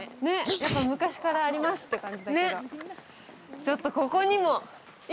やっぱ、昔からありますって感じ